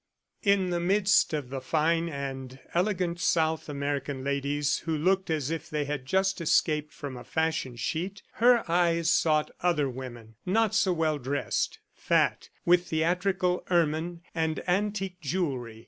In the midst of the fine and elegant South American ladies who looked as if they had just escaped from a fashion sheet, her eyes sought other women, not so well dressed, fat, with theatrical ermine and antique jewelry.